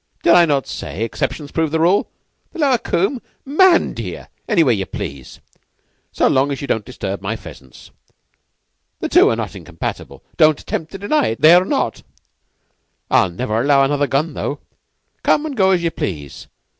Did I not say exceptions prove the rule? The lower combe? Man, dear, anywhere ye please, so long as you do not disturb my pheasants. The two are not incompatible. Don't attempt to deny it. They're not! I'll never allow another gun, though. Come and go as ye please.